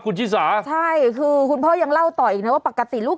คุณชิสาใช่คือคุณพ่อยังเล่าต่ออีกนะว่าปกติลูก